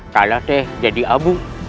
kalah jadi abu